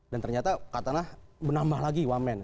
dan ternyata katanah menambah lagi wamen